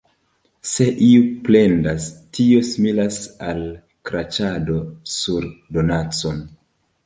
Se iu plendas, tio similas al kraĉado sur donacon.